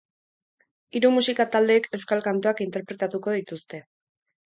Hiru musika taldek euskal kantuak interpretatuko dituzte.